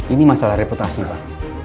ini masalah reputasi pak